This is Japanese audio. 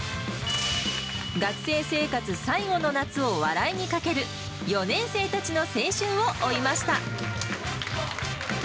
学生生活最後の夏を笑いにかける４年生たちの青春を追いました。